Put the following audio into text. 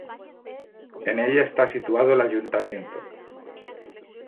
En ella está situado el Ayuntamiento.